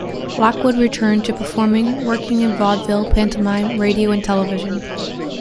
Lockwood returned to performing, working in vaudeville, pantomime, radio and television.